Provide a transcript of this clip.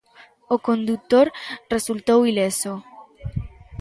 O condutor resultou ileso.